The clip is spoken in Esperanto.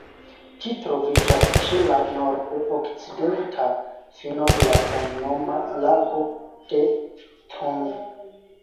Ĝi troviĝas ĉe la nord-okcidenta fino de la samnoma Lago de Thun.